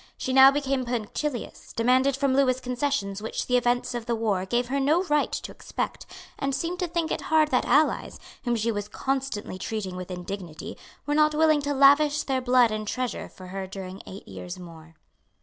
She now became punctilious, demanded from Lewis concessions which the events of the war gave her no right to expect, and seemed to think it hard that allies, whom she was constantly treating with indignity, were not willing to lavish their blood and treasure for her during eight years more.